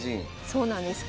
そうなんです